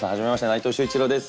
内藤秀一郎です。